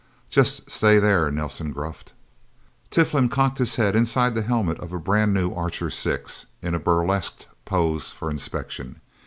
"Just stay there," Nelsen gruffed. Tiflin cocked his head inside the helmet of a brand new Archer Six, in a burlesqued pose for inspection.